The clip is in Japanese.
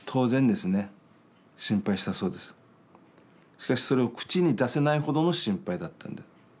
しかしそれを口に出せないほどの心配だった。